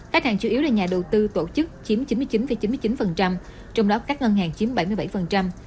khách hàng chủ yếu là nhà đầu tư tổ chức chiếm chín mươi chín chín mươi chín trong đó các ngân hàng chiếm bảy mươi bảy